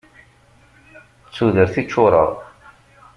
D tudert i ččureɣ.